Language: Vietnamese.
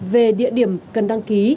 về địa điểm cần đăng ký